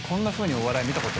お笑い見たことない。